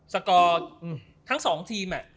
สกอร์ทั้ง๒ทีม